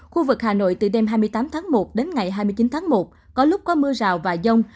khu vực hà nội từ đêm hai mươi tám tháng một đến ngày hai mươi chín tháng một có lúc có mưa rào và dông